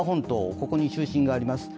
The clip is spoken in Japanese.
ここに中心があります。